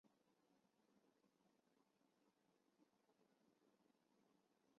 山本草太为日本男子花式滑冰选手。